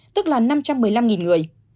tức là năm trăm một mươi năm người